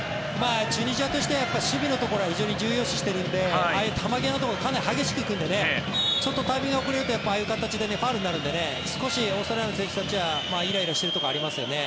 チュニジアとしては守備のところを非常に重要視しているのでああいう球際のところに激しく来るのでタイミングが遅れるとああいう形でファウルになるのでオーストラリアの選手たちはイライラしているところはありますね。